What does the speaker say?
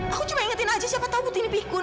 aku cuma ingetin aja siapa tau butini pikun